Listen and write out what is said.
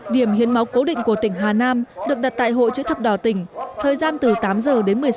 điểm hiến máu cố định của tỉnh hà nam được đặt tại hội chữa thập đỏ tỉnh thời gian từ tám giờ đến